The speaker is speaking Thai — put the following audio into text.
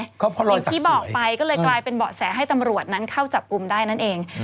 อย่างที่บอกไปก็เลยกลายเป็นเบาะแสให้ตำรวจนั้นเข้าจับกลุ่มได้นั่นเอง